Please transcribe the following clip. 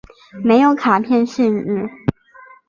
没有卡片限制。